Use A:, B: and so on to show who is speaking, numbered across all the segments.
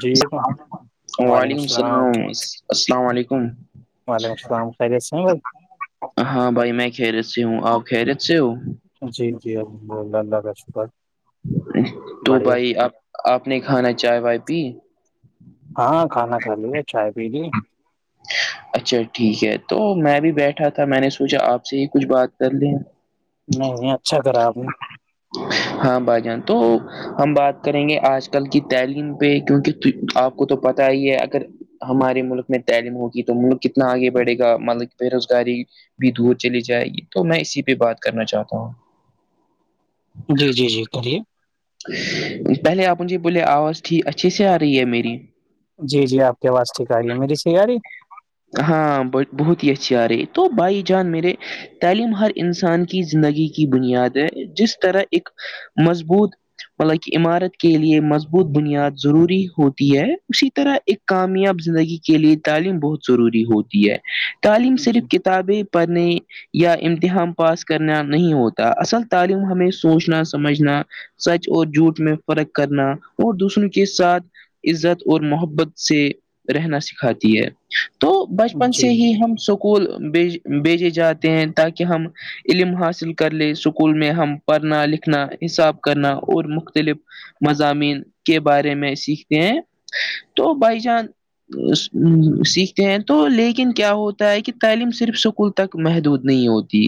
A: جی یہ تو
B: وعلیکم السلام السلام علیکم
A: وعلیکم السلام خیریت سے ہیں بھائی
B: ہاں بھائی میں کھیریت سے ہوں آپ کھیریت سے ہو
A: جی جی الحمد اللہ اللہ کا شکر
B: تو
A: بڑھیا
B: بھائی آپ آپ نے کھانا چائے وائے پی
A: ہاں کھانا کھا لو ہے چائے پی لی [inaudible]
B: اچھا ٹھیک ہے تو میں بھی بیٹھا تھا میں نے سوچا آپ سے ہی کچھ بات کر لے
A: نہیں نہیں اچھا کرا آپ نے
B: ہاں بھائی جان تو ہم بات کریں گے آج کل کی تعلیم پہ کیونکہ آپ کو تو پتا ہی ہے اگر ہمارے ملک میں تعلیم ہوگی تو ملک کتنا آگے بڑھے گا ملک بے روزگاری بھی دور چلی جائے تو میں اسی پہ بات کرنا چاہتا ہوں
A: جی جی جی کریے
B: پہلے آپ جے بولے آواز اچھے سے آ رہی ہے میری
A: جی جی آپ کی آواز ٹھیک آ رہی ہے میری تیاری [unintelligible]
B: ہاں بہت ہی اچھی آ رہی ہے تو بھائی جان میرے تعلیم ہر انسان کی زندگی کی بنیاد ہے جس طرح ایک مضبوط مطلب کہ عمارت کے لیے مضبوط بنیاد ضروری ہوتی ہے اسی طرح ایک کامیاب زندگی کے لیے تعلیم بہت ضروری ہوتی ہے تعلیم
A: جی
B: صرف ک تا بھی پانی یا امتحان پاس کرنا نہیں ہوتا اصل تعلیم ہمیں سوچنا سمجھنا سچ اور جھوٹ میں فرق کرنا اور دوسروں کے ساتھ عزت اور محبت سے رہنا سکھاتی ہے تو بچپن
A: جی
B: سے ہی ہم سکھ [unintelligible] اسکول بھیج بھیجے جاتے ہیں تاکہ ہم علم حاصل کر لے اسکول میں ہم پڑھنا لکھنا حساب کرنا اور مختلف مضامین کے بارے میں سیکھتے ہیں تو بھائی جان سی [unintelligible] ہیں تو لیکن کیا ہوتا ہے کہ تعلیم صرف اسکول تک محدود نہیں ہوتی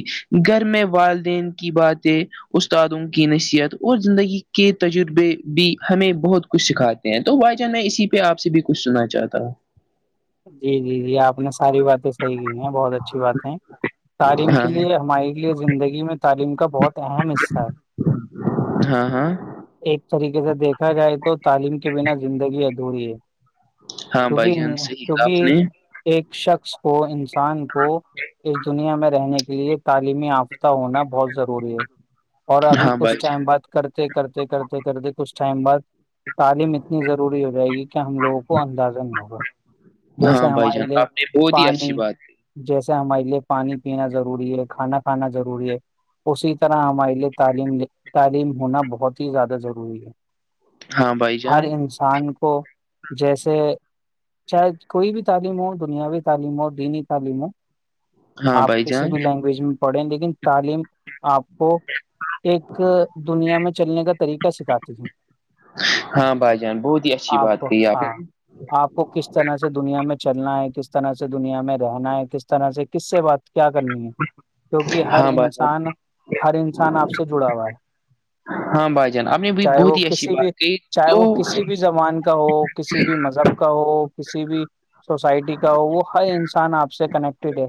B: گھر میں والدین کی باتیں استادوں کی نصیحت اور زندگی کے تجربے بھی ہمیں بہت کچھ سکھاتے تو بھائی جان میں اسی پہ آپ سے بھی کچھ سنا چاہتا ہوں
A: جی جی جی آپ نے ساری باتیں صحیح کی ہیں بہت اچھی باتیں تعلیم کے
B: ہاں
A: لیے
B: ہاں
A: ہماری لی زندگی میں تعلیم کا بہت اہم حصہ ہے
B: ہاں ہاں
A: ایک طریقے سے دیکھا جائے تو تعلیم کے بنا زندگی ادھوری ہے
B: ہاں بھائی جان صحیح کہا آپ
A: کہ
B: نے
A: ایک شخص کو انسان کو اس دنیا میں رہنے کے لیے تعلیم یافتہ ہونا بہت ضروری ہے اور ابھی
B: ہاں
A: کچھ
B: بھائی
A: ٹائم بعد کرتے کرتے کرتے کرتے کچھ ٹائم بعد تعلیم اتنی ضروری ہو جائے گی کہ ہم لوگوں کو اندازہ نہیں ہوگا
B: جان
A: جیسے
B: ہاں بھائی
A: ہمارے
B: جان
A: لیے
B: آپ نے بہت ہی
A: پانی
B: اچھی بات
A: جیسے ہمارے لیے پانی پینا ضروری ہے کھانا کھانا ضروری ہے اسی طرح ہمارے لیے تعلیم تعلیم ہونا بہت ہی زیادہ ضروری ہے
B: ہاں بھائی
A: ہر
B: جان
A: انسان کو جیسے چاہے کوئی بھی تعلیم ہو دنیاوی تعلیم ہو دینی تعلیم ہو
B: ہاں
A: آپ
B: بھائی
A: کسی
B: جان
A: بھی لینگویج میں پڑھیں لیکن تعلیم آپ کو ایک دنیا میں چلنے کا طریقہ سکھاتے تھی [inaudible]
B: ہاں بھائی جان بہت ہی اچھی بات کہی آپ
A: ہاں آپ کو کس کس طرح سے دنیا میں چلنا ہے کس طرح سے دنیا میں رہنا ہے کس طرح سے کس سے بات کیا کرنی ہے کیونکہ ہر
B: ہاں بھائی جان
A: انسان ہر انسان آپ سے جڑا ہوا ہے
B: ہاں بھائی جان آپ نے بھی
A: چاہے
B: بہت
A: وہ
B: ہی اچھی
A: کسی بھی
B: بات کہ
A: چاہے
B: تو
A: وہ کسی بھی زبان کا ہو کسی بھی مذہب کا ہو کسی بھی سوسائٹی کا ہو وہ ہر انسان آپ سے کنیکٹیڈ ہے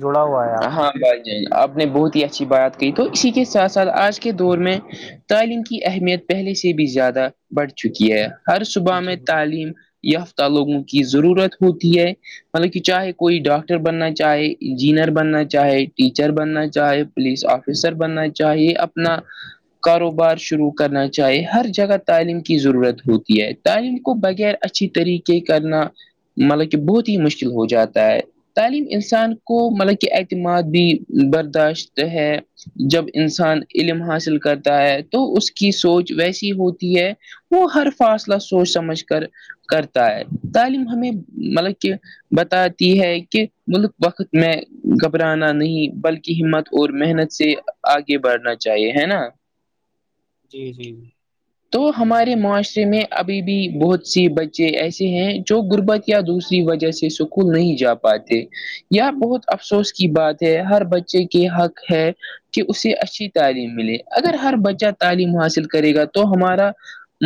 A: جڑا ہوا ہے آپ سے
B: ہاں بھائی جان آپ نے بہت ہی اچھی بات کہ تو اسی کے ساتھ ساتھ آج کے دور میں تعلیم کی اہمیت پہلے سے بھی زیادہ بڑھ چکی ہے ہر صبح
A: جی
B: میں تعلیم یافتہ لوگوں کی ضرورت ہوتی ہے مطلب کہ چاہے کوئی ڈاکٹر بننا چاہے انجینئر بن بننا چاہے ٹیچر بننا چاہے پولیس آفیسر بننا چاہیے اپنا کاروبار شروع کرنا چاہیے ہر جگہ تعلیم کی ضرورت ہوتی ہے تعلیم کو بغیر اچھی طریقے کرنا مطلب کہ بہت ہی مشکل ہو جاتا ہے تعلیم انسان کو مطلب کے اعتماد بھی برداشت ہے جب انسان علم حاصل کرتا ہے تو اس کی سوچ ویسی ہوتی ہے وہ ہر فاصلہ سوچ سمجھ کر کرتا ہے تعلیم ہمیں مطلب کہ بتا ہے کہ ملک وقت میں گھبرانا نہیں بلکہ ہمت اور محنت سے آگے بڑھنا چاہیے ہے نا
A: جی جی
B: تو ہمارے معاشرے میں ابھی بھی بہت سی بچے ایسے ہیں جو غربت یا دوسری وجہ سے سکول نہیں جا پاتے یہ بہت افسوس کی بات ہے ہر بچے کی حق ہے کہ اسے اچھی تعلیم ملے اگر ہر بچہ تعلیم حاصل کرے گا تو ہمارا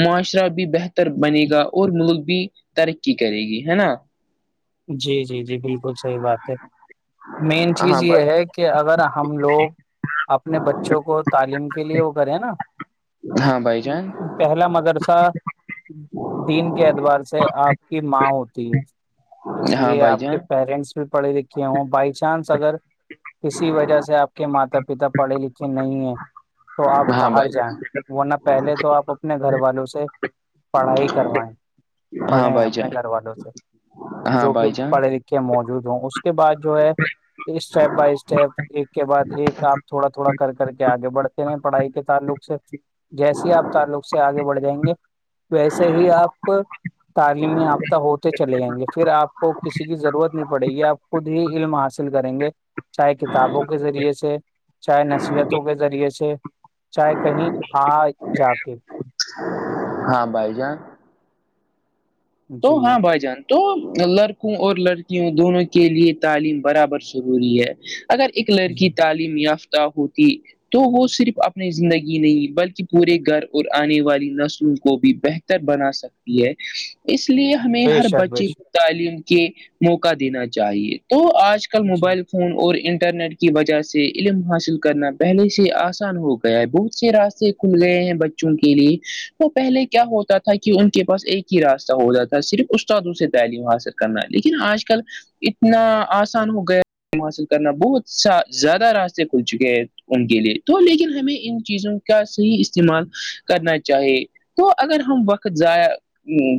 B: معاشرہ بھی بہتر بنے گا اور ملک بھی ترقی کرے گی ہے نا
A: جی جی جی بالکل صحیح بات ہے مین
B: ہاں
A: چیز یہ
B: بھائی
A: ہے کہ اگر ہم لوگ اپنے بچوں کو تعلیم کے لیے وہ کریں نا
B: ہاں بھائی جان
A: [unintelligible] پہلا مدرسہ دین کے اعتبار سے آپ کی ماں ہوتی ہے اس
B: ہاں
A: لیے
B: بھائی
A: آپ کے
B: جان
A: پیرنٹس بھی پڑے لکھے ہوں بائی چانس اگر کسی وجہ سے آپ کے ماتا پتا پڑھے لکھے نہیں ہیں تو آپ
B: ہاں
A: باہر
B: بھائی
A: جائیں ورنہ پہلے تو آپ اپنے گھر والوں سے پڑھائی کر ہے
B: ہاں
A: پڑھے
B: بھائی
A: اپنے
B: جان
A: گھر والوں سے
B: ہاں
A: جو کہ
B: بھائی جان
A: پڑھے لکھے موجود ہوں اس کے بعد جو ہے اسٹیپ بائی اسٹیپ ایک کے بعد ایک آپ تھوڑا تھوڑا کر کر کے آگے بڑھتے رہ پڑھائی کے تعلق سے جیسیے آپ تعلق سے آگے بڑھ جائیں گے ویسے ہی آپ تعلیم یافتہ ہوتے چلے جیں گے پھر آپ کو کسی کی ضرورت نہیں پڑے گی آپ خود ہی علم حاصل کریں گے چاہے کتابوں کے ذریعے سے چاہے نصیحتوں کے ذریعے سے چاہے کہیں آ جا کے
B: ہاں بھائی جان تو
A: جی
B: ہاں بائی جان تو لڑکوں اور لڑکیوں دونوں کے لیے تعلیم برابر ضروری ہے اگر ایک
A: جی
B: لڑکی تعلیم یافتہ ہوتی تو وہ صرف اپنی زندگی نہیں بلکہ پورے گھر اور آنے والی نسلوں کو بھی بہت بہتر بنا سکتی ہے اس لیے ہمیں
A: بے
B: ہر
A: شک بے
B: بچے
A: شک
B: کو تعلیم کے موقع دینا چاہیے تو آج کل
A: جی
B: موبائل فون اور انٹرنیٹ کی وجہ سے علم حاصل کرنا پہلے سے آسان ہو گیا ہے بہت سے راستے کھل گئے ہیں بچوں کے لیے تو پہلے کیا ہوتا تھا کہ ان کے پاس ایک ہی راستہ ہو جاتا ہے صرف استادوں سے تعلیم حاصل کرنا لیکن آج کل اتنا آسان ہو گیا حاصل کرنا بہت س زیادہ راستے کھل چکے ہیں ان کے لیے تو لیکن ہمیں ان چیزوں کا صحیح استعمال کرنا چاہیے تو اگر ہم وقت ضائع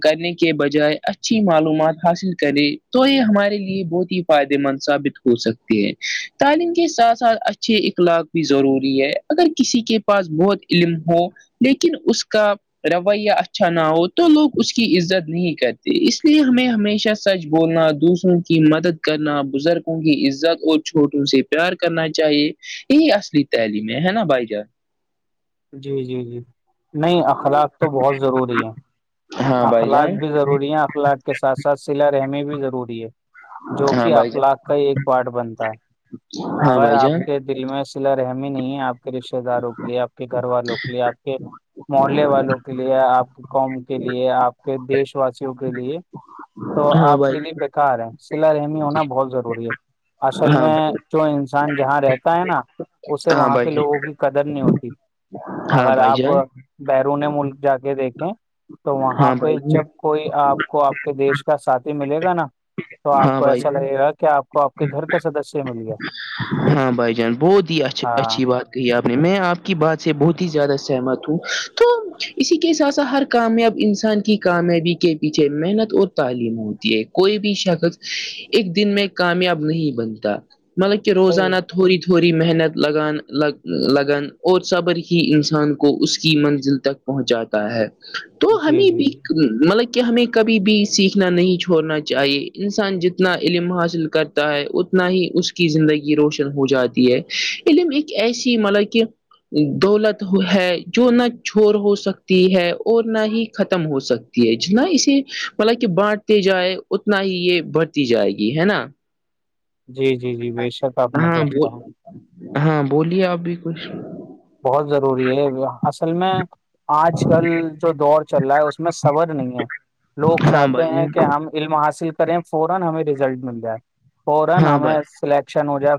B: کرنے کے بجائے اچھی معلومات حاصل کریں تو یہ ہمارے لیے بہت ہی فائدے مند ثابت ہو ہو سکتی ہیں تعلیم کے ساتھ ساتھ اچھے اخلاق بھی ضروری ہے اگر کسی کے پاس بہت علم ہو لیکن اس کا رویہ اچھا نہ ہو تو لوگ اس کے کی عزت نہیں کرتے اس لیے ہمیں ہمیشہ سچ بولنا دوسروں کی مدد کرنا بزرگوں کی عزت اور چھوٹوں سے پیار کرنا چاہیے یہی اصلی تحلیم ہے ہے نا بھائی جان
A: جی جی جی نہیں اخلاق تو بہت ضروری ہے
B: ہاں بھائی
A: اخلاق
B: جان
A: بھی ضروری ہے اخلاق کے ساتھ ساتھ سلہ رحمی بھی ضروری ہے جو
B: ہاں
A: کہ
B: بھائی جان
A: اخلاق کا ہی ایک پارٹ بنتا ہے
B: ہاں
A: اگر
B: بھائی
A: آپ
B: جان
A: کے دل میں صلا رحمی نہیں ہے آپ آ کے رشتے داروں کے لیے آپ کے گھر والوں کے لیے آپ کے محلے والوں کے لیے آپ کی قوم کے لیے آپ کے دیش واسیوں کے لیے تو
B: ہاں
A: آپ
B: بھائی
A: کے لیے بیکار ہے صلا رہمی ہونا بہت ضروری ہے اصل میں
B: ہاں
A: جو انسان جہاں رہتا ہے نا اسے
B: ہاں
A: وہاں کے
B: بھائی جان
A: لوگوں کی قدر نہیں ہوتی
B: ہاں
A: اگر
B: بھائی
A: آپ
B: جان
A: بیرون ملک جا کے دیکھیں تو وہاں
B: ہاں
A: پہ
B: بھائی
A: جب
B: جان
A: کوئی آپ کو آپ کے دیش کا ساتھی ملے گا نا تو آپ
B: ہاں
A: کو
B: بھائی
A: ایسا لگے گا کہ آپ کو آپ کے گھر کا سدسیہ مل گیا
B: ہاں بھائی جان بہت ہی اچ
A: ہاں
B: اچھی بات کہی آپ میں آپ کی بات سے بہت ہی زیادہ سہمت ہوں تو اسی کے ساتھ سات ہر کامیاب انسان کی کامیابی کے پیچھے محنت اور تعلیم ہوتی ہے کوئی بھی شخص ایک دن میں کامیاب نہیں بنتا مطلب کہ
A: صحیح
B: روزانہ
A: ہے
B: تھوڑی تھوڑی محنت لگان لگ لگن اور صبر ہی انسان کو اس کی منزل تک پہنچاتا ہے تو
A: جی
B: ہمیں
A: جی
B: بھی مطلب کہ ہمیں کبھی بھی سیکھنا نہیں چھوڑنا چاہیے انسان جتنا علم حاصل کر ہے اتنا ہی اس کی زندگی روشن ہو جاتی ہے علم ایک ایسی مطلب کہ دولت ہے جو نہ چور ہو سکتی ہے اور نہ ہی ختم ہو سک جتنا اسے مل کہ بانٹتے جائے اتنا ہی یہ بڑھتی جائے گی ہے نا
A: جی جی جی بے شک آپ نے
B: ہاں
A: سچ
B: ب
A: کہا
B: ہاں بولیے اب بھی کچھ
A: بہت ضروری ہے اصل میں آج کل جو دور چل رہا ہے اس میں صبر نہیں ہے [unintelligible]
B: ہاں بھائی جان
A: ایک ساتھ
B: ہاں بھائی
A: ہوا سلیکشن ہو جائے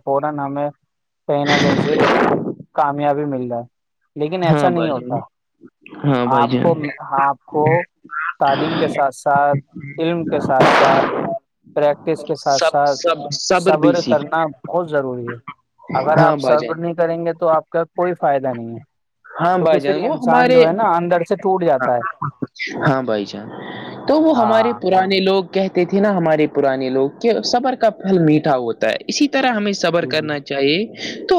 A: یابی ملتا ہے [unintelligible] لیکن ایسا
B: ہاں
A: نہیں
B: بھائی جان
A: ہوتا
B: ہاں بھائی
A: آپ کو
B: جان
A: آپ کو تعلیم کے ساتھ ساتھ علم کے ساتھ ساتھ پریکٹس کے ساتھ
B: سب
A: ساتھ
B: سب بھی
A: صبر
B: سیکھ
A: کرنا بہت ضروری ہے اگر
B: ہاں
A: آپ
B: بھائی
A: سرف
B: جان
A: نہیں کریں گے تو آپ کا کوئی فائدہ نہیں ہے
B: ہاں
A: کیونکہ
B: بھائی جان
A: پھر
B: وہ
A: انسان جو ہے
B: ہمارےاں
A: نا اندر سے ٹوٹ جاتا ہے
B: ہاں بھائی جان تو وہ ہمارے
A: ہاں
B: پرانے لوگ کہتے تھے نا ہمارے پرانے لوگ کہ صبر کا پھل میٹھا ہوتا ہے اسی طرح ہمیں صبر
A: جی
B: کرنا چاہیے تو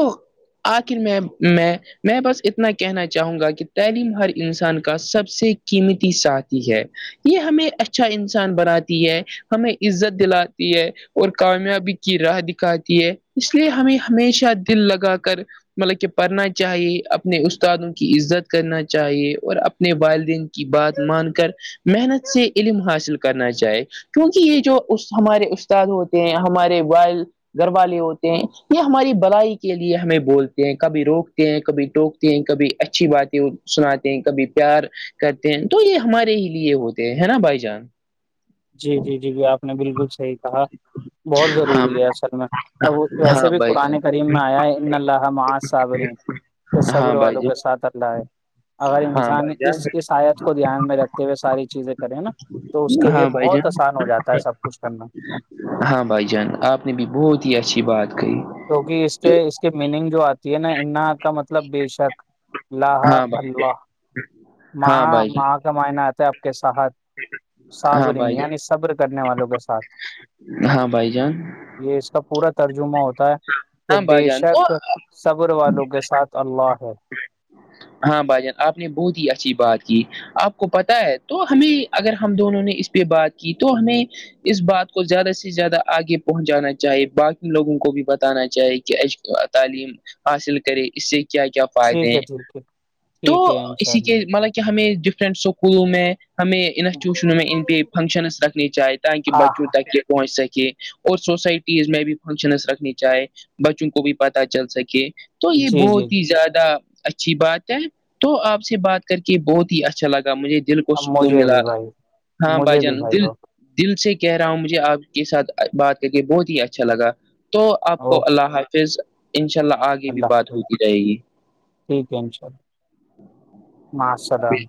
B: آخر میں میں میں بس اتنا کہنا چاہوں گا کہ تعلیم ہر انسان کا سب سے قیمتی ساتھی ہے یہ ہمیں اچھا انسان بناتی ہے ہمیں عزت دلاتی ہے اور کامیابی کی راہ دکھاتی ہے اس لیے ہمیں ہمیشہ دل لگا کر مطلب کہ پڑنا چاہیے اپنے استادوں کی عزت کرنا چاہیے اور اپنے والدین بات مان کر محنت سے علم حاصل کرنا چائے کیونکہ یہ جو ہمارے استاد ہوتے ہیں ہمارے والائل گھر والے ہوتے ہیں یہ ہماری بلائی کے لیے ہمیں بولتے ہیں کبھی روک کبھی ٹوکتے ہیں کبھی اچھی باتیں سناتے ہیں کبھی پیار کرتے ہیں تو یہ ہمارے ہی لیے ہوتے ہیں ہے نا بھائی جان
A: جی جی جی بھی آپ نے بالکل صحیح کہا بہت
B: ہاں
A: ضروری ہے اصل میں ا ویسے
B: ہاں
A: بھی
B: بھائی
A: قرآن
B: جان
A: کریم میں آیا ہے ان اللہ مع صابری صبر
B: ہاں بھائی
A: والوں کے
B: جان
A: ساتھ اللہ ہے [unintelligible] اگر
B: ہاں
A: انسان
B: بھائی جان
A: اس اس آیت کو دھیان میں رکھتے ہوئے ساری چیزیں کرے نا تو اس کے لیے
B: ہاں بھائی
A: بہت
B: جان
A: آسان ہو جاتا ہے سب کچھ کرنا
B: ہاں بھائی جان آپ نے بھی بہت ہی اچھی بات کہی
A: جوہ اس کے
B: تو
A: اس کے میننگ جو آ یہ نا انہ کا مطلب بے شک اللہ
B: ہاں بھائی
A: اللہ
B: ہاں
A: ماں
B: بھائی
A: ماں کا معائنی آتا ہے آپ کے ساتھ
B: ہاں
A: صابرین
B: بھائی
A: یعنی صبر کرنے والوں کے ساتھ
B: ہاں بھائی جان
A: یہ اس کا پورا ترجمہ ہوتا ہے کہ
B: ہاں بھائی
A: بے
B: جان تو
A: شک صبر والوں کے ساتھ اللہ ہے
B: ہاں بھائی جان آپ نے بہت ہی اچھی بات کی آپ کو پتا ہے تو ہمیں اگر ہم دونوں نے اس پہ بات کی تو ہمیں اس بات کو زیادہ سے زیادہ آگے پہنچانا چاہے باقی لوگوں کو بھی بتانا چاہے کہش تعلیم حاصل کرے اس سے کیا کیا فائدے
A: ٹھیک
B: ہیں
A: ہے ٹھیک ہے
B: تو
A: ٹھیک انشاء
B: اسی
A: اللہ
B: کے مطلب کہ ہمیں ڈفرینٹ اسکولوں میں ہمیں انسٹیٹیوشنوں میں ان پہ فنکشنس رکھنی چاہے تاکہ
A: ہاں
B: بچوں
A: ہاں
B: تک پہنچ سکے اور سوسائٹیز میں بھی فنکشنس رکھنی چاہے بچوں کو بھی پت چل سکے تو یہ
A: جی جی
B: بہت ہی
A: جی
B: زیادہ اچھی بات ہے تو آپ سے بات کر کے بہت ہی اچھا لگا مجھے دل کو
A: اب
B: سکون
A: مجھے
B: ملا
A: بھی بھائی
B: ہاں
A: مجھے بھی
B: بجن
A: بھائی
B: دل
A: ہو
B: دل سے کہہ رہا ہوں مجھے آپ کے ساتھ بات کر کے بہت ہی اچھا لگا تو آپ کو
A: اوکے
B: اللہ حافظ ان شاء اللہ آگے بھی بات ہوتی رہے گی
A: ٹھیک ہے ان شاء اللہ مسلام